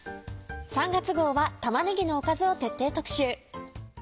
３月号は玉ねぎのおかずを徹底特集。